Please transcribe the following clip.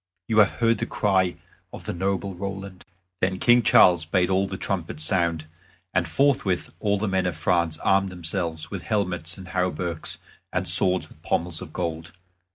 You have heard the cry of the noble Roland." Then King Charles bade all the trumpets sound, and forthwith all the men of France armed themselves, with helmets, and hauberks, and swords with pommels of gold.